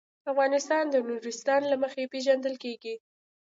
افغانستان د نورستان له مخې پېژندل کېږي.